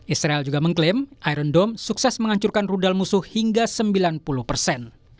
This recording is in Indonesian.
israel juga mengklaim irondom sukses menghancurkan rudal musuh hingga sembilan puluh persen